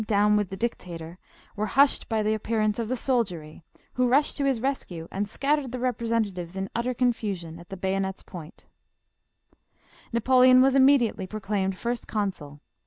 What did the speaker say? Down with the Dictator I" were hushed by the appearance of the soldiery, who rushed to his rescue and scattered the Representatives in utter confusion, at the bayonet's point Napoleon was immediately proclaimed First Consul.